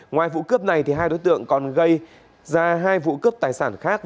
ngoài vụ cướp này hai đối tượng còn gây ra hai vụ cướp tài sản khác